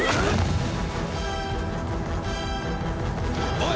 おい！